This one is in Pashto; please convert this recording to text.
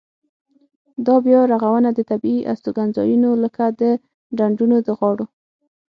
دا بیا رغونه د طبیعي استوګنځایونو لکه د ډنډونو د غاړو.